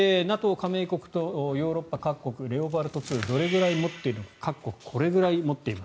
加盟国とヨーロッパ各国レオパルト２どのぐらい持っているのか各国、これぐらい持っています。